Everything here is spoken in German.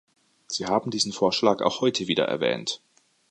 Sie haben diesen Vorschlag auch heute wieder erwähnt.